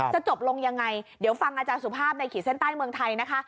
จะจบลงยังไงเดี๋ยวฟังอาจารย์สุภาพในขีดเส้นใต้เมืองไทยนะคะ